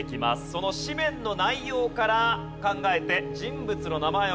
その紙面の内容から考えて人物の名前をお答えください。